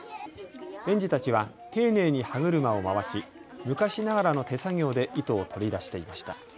園児たちは丁寧に歯車を回し昔ながらの手作業で糸を取り出していました。